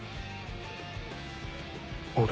俺？